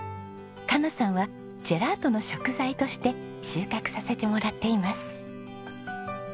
加奈さんはジェラートの食材として収穫させてもらっています。